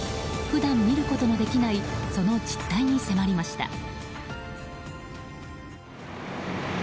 普段、見ることのできないその実態に迫りました。